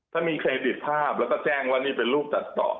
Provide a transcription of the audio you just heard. ถ้ามีเครดิตภาพแล้วก็แจ้งว่านี่เป็นรูปตัดต่อ